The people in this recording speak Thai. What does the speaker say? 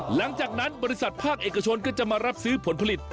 หลังจากนั้นบริษัทภาคเอกชนก็จะมารับซื้อผลผลิต